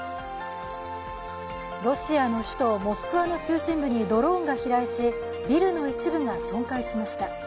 ロシアの首都モスクワの中心部にドローンが飛来しビルの一部が損壊しました。